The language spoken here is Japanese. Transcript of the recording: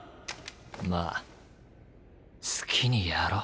まあ好きにやろう。